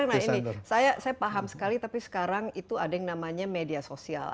nah ini saya paham sekali tapi sekarang itu ada yang namanya media sosial